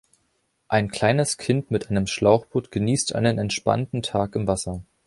Ein kleines Kind mit einem Schlauchboot genießt einen entspannten Tag im Wasser.